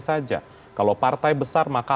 saja kalau partai besar maka